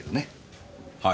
はい？